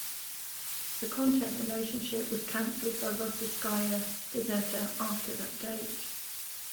The content relationship was cancelled by Rossiyskaya Gazeta after that date.